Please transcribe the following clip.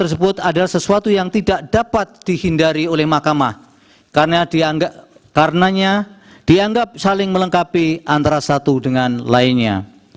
setiap saling melengkapi antara satu dengan lainnya